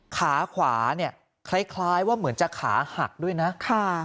ขาขวาเนี่ยคล้ายว่าเหมือนจะขาหักด้วยนะ